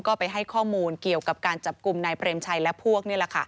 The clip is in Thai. ก็ไปให้ข้อมูลเกี่ยวกับการจับกลุ่มนายเปรมชัยและพวกนี่แหละค่ะ